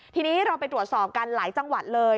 ทีนี้เราไปตรวจสอบกันหลายจังหวัดเลย